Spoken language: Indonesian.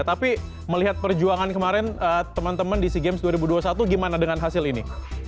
tapi melihat perjuangan kemarin teman teman di sea games dua ribu dua puluh satu gimana dengan hasil ini